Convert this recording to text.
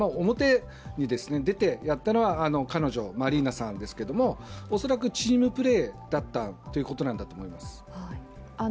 表に出てやったのはマリーナさんですけれども、恐らくチームプレーだったということなんだと思います。